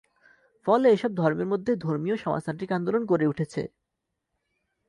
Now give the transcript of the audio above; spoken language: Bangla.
ফলে এসব ধর্মের মধ্যে ধর্মীয় সমাজতান্ত্রিক আন্দোলন গড়ে উঠেছে।